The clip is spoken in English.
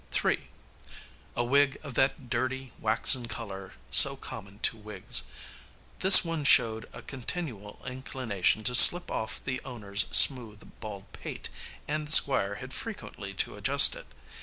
3. A wig of that dirty, waxen color so common to wigs. This one showed a continual inclination to slip off the owner's smooth, bald pate, and the Squire had frequently to adjust it.